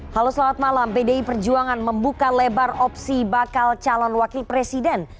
halo selamat malam pdi perjuangan membuka lebar opsi bakal calon wakil presiden